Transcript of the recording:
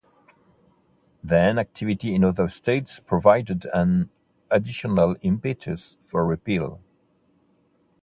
Then activity in other states provided an additional impetus for repeal.